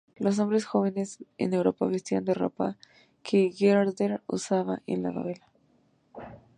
Los hombres jóvenes en Europa vestían la ropa que Werther usaba en la novela.